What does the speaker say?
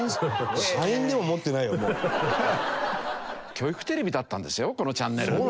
教育テレビだったんですよこのチャンネルって。